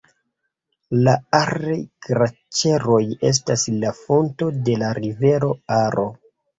La Ar-Glaĉeroj estas la fonto de la rivero Aro.